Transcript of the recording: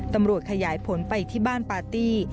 ตำรวจขยายผลไปที่บ้านปาร์ตี้